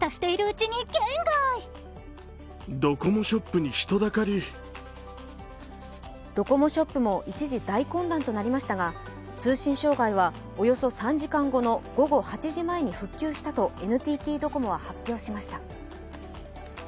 ＳＮＳではドコモショップも一時大混乱となりましたが、通信障害はおよそ３時間後の午後８時前に復旧したとＮＴＴドコモは発表しました。